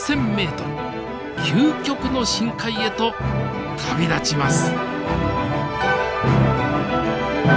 ｍ究極の深海へと旅立ちます。